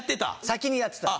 先にやってた。